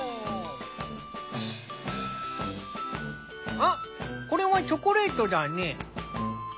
あっこれはチョコレートだね。